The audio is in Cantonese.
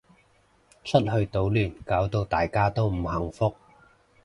出去搗亂搞到大家都唔幸福